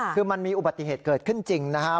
คือมันมีอุบัติเหตุเกิดขึ้นจริงนะครับ